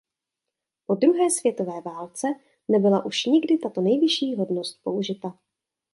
Po druhé světové válce nebyla už nikdy tato nejvyšší hodnost použita.